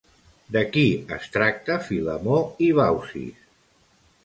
De qui es tracta Filemó i Baucis?